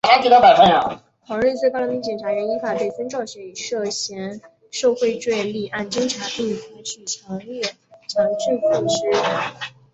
同日最高人民检察院依法对孙兆学以涉嫌受贿罪立案侦查并采取强制措施。